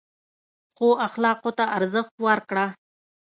ښو اخلاقو ته ارزښت ورکړه.